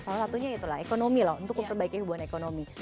salah satunya itulah ekonomi loh untuk memperbaiki hubungan ekonomi